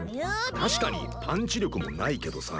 確かにパンチ力もないけどさ。